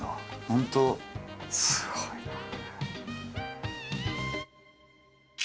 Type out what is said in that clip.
本当すごいなあ！